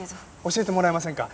教えてもらえませんか？